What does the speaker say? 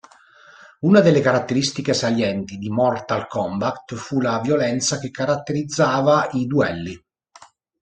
Una delle caratteristiche salienti di Mortal Kombat fu la violenza che caratterizzava i duelli.